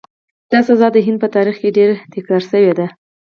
دا سزا د هند په تاریخ کې ډېره تکرار شوې ده.